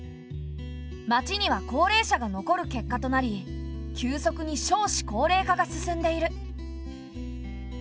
町には高齢者が残る結果となり急速に少子高齢化が進んでいる。